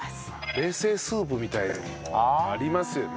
冷製スープみたいなのもありますよね？